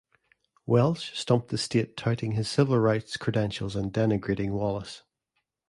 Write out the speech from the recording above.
Welsh stumped the state touting his civil rights credentials and denigrating Wallace.